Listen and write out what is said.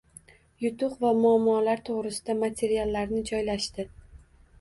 Yutuq va muammolar toʻgʻrisida materiallarni joylashdi